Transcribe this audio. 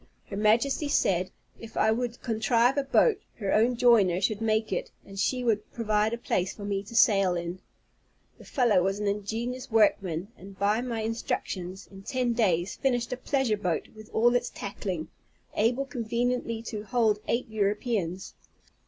Her Majesty said, if I would contrive a boat, her own joiner should make it, and she would provide a place for me to sail in. The fellow was an ingenious workman, and by my instructions, in ten days, finished a pleasure boat, with all its tackling, able conveniently to hold eight Europeans.